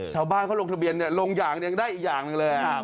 ชาวบ้านเขาลงทะเบียนลงอย่างยังได้อีกอย่างหนึ่งเลย